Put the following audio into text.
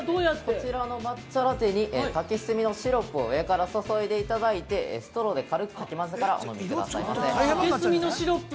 ◆こちらの抹茶ラテに、竹炭のシロップを上から注いでいただいて、ストローで軽くかき混ぜたら、お飲みいただけます。